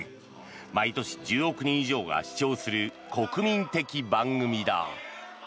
毎年１０億人以上が視聴する国民的番組だ。